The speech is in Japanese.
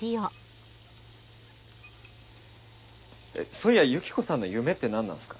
そういやユキコさんの夢って何なんすか？